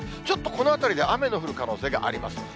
ちょっとこのあたりで、雨の降る可能性があります。